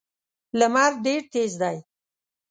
لمر ډېر تېز دی.